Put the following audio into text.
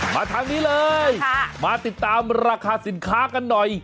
ทางนี้เลยมาติดตามราคาสินค้ากันหน่อย